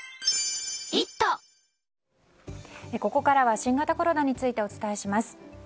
ここからは新型コロナについてお伝えします。